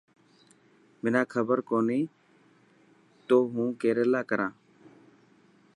منا کبر ڪوني تو هون ڪيريلا ڪران.